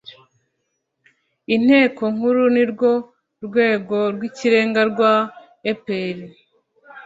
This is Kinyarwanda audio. inteko nkuru nirwo rwego rw'ikirenga rwa epr